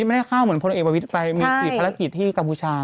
ไม่ได้เข้าเหมือนพลเอกประวิทย์ไปมีกี่ภารกิจที่กัมพูชา